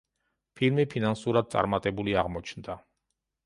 ფილმი ფინანსურად წარმატებული აღმოჩნდა.